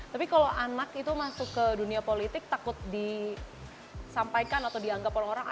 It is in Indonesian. tapi kalau anak itu masuk ke dunia politik takut disampaikan atau dianggap orang orang